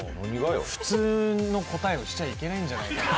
普通の答えをしちゃいけないんじゃないかと。